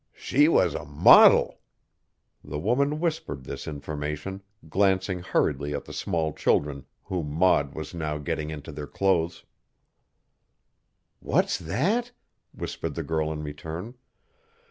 She was a modil!" The woman whispered this information, glancing hurriedly at the small children whom Maud was now getting into their clothes. "What's that?" whispered the girl in return.